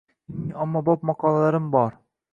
Ilmiy-ommabop maqolalarim bor